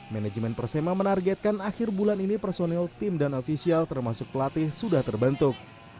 manajemen persema menargetkan akhir bulan ini personil tim dan ofisial termasuk pelatih sudah terbentuk